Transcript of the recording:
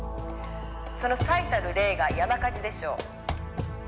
「その最たる例が山火事でしょう」